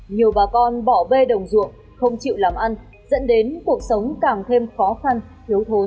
nhiều bà con bỏ bê đồng ruộng không chịu làm ăn dẫn đến cuộc sống càng thêm khó khăn thiếu thốn